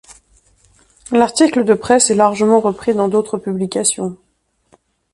L'article de presse est largement repris dans d'autres publications.